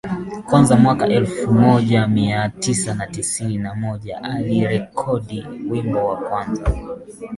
kwanza mwaka elfu moja mia tisa tisini na moja alirekodi wimbo wa kwanza